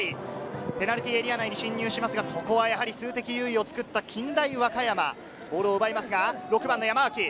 ペナルティーエリア内に進入しますが、数的優位を作った近大和歌山、ボールを奪います。